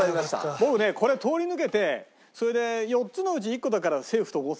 僕ねこれ通り抜けてそれで４つのうち１個だからセーフと思ってたのよ。